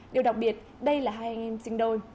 điều đặc biệt đây là hai anh em sinh đôi